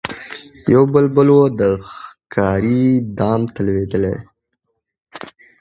یو بلبل وو د ښکاري دام ته لوېدلی